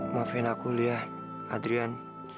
maafin aku liah adrian